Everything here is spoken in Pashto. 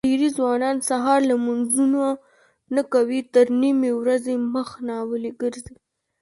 دېری ځوانان سهار لمنځونه نه کوي تر نیمې ورځې مخ ناولي ګرځي.